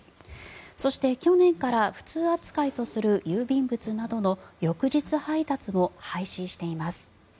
そして去年から普通扱いとする郵便物などの翌日配達を廃止しています。